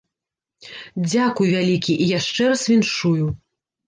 Дзякуй вялікі і яшчэ раз віншую!